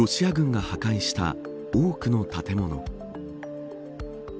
ロシア軍が破壊した多くの建物。